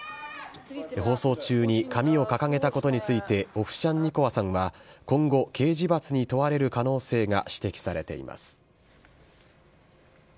放送中に紙を掲げたことについて、オフシャンニコワさんは今後、刑事罰に問われる可能性が指摘されています。